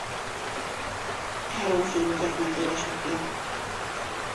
Három fiúgyermek édesapja.